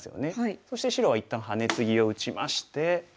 そして白は一旦ハネツギを打ちまして。